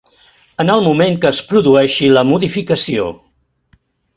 En el moment que es produeixi la modificació.